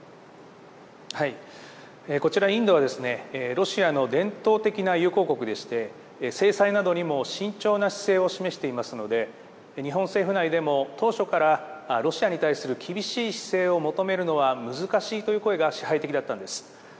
こちら、インドはロシアの伝統的な友好国でして、制裁などにも慎重な姿勢を示していますので、日本政府内でも、当初からロシアに対する厳しい姿勢を求めるのは難しいという声が支配的だったんです。